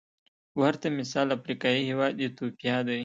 ورته مثال افریقايي هېواد ایتوپیا دی.